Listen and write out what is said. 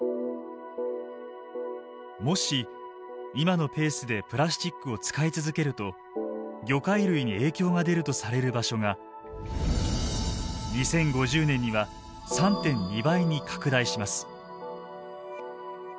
もし今のペースでプラスチックを使い続けると魚介類に影響が出るとされる場所が２０５０年には３．２倍に拡大します。